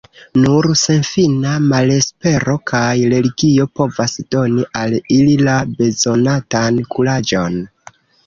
Nur senfina malespero kaj religio povas doni al ili la bezonatan kuraĝon.